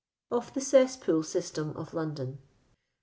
Of the Cesspool System of London.